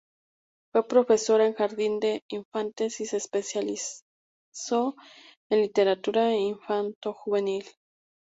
Fue profesora en jardín de infantes y se especializó en literatura infantojuvenil.